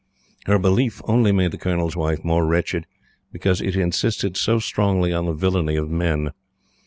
Her belief only made the Colonel's Wife more wretched, because it insisted so strongly on the villainy of men.